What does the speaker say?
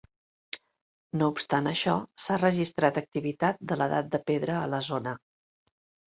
No obstant això, s'ha registrat activitat de l'edat de pedra a la zona.